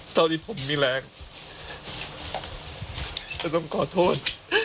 ตอนที่ผมมีแรงจะต้องขอโทษ